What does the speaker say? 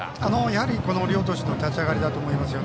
やはり両投手の立ち上がりだと思います。